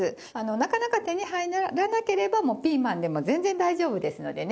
なかなか手に入らなければもうピーマンでも全然大丈夫ですのでね。